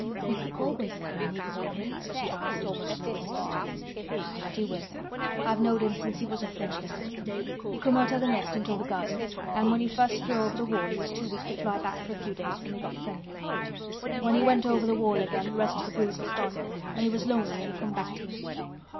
"Will he always come when you call him?" she asked almost in a whisper. "Aye, that he will. I've knowed him ever since he was a fledgling. He come out of th' nest in th' other garden an' when first he flew over th' wall he was too weak to fly back for a few days an' we got friendly. When he went over th' wall again th' rest of th' brood was gone an' he was lonely an' he come back to me."